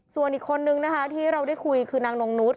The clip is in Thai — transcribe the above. ส่วนอีกคนนึงนะคะที่เราได้คุยคือนางนงนุษย